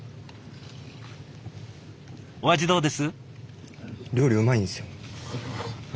お味どうです？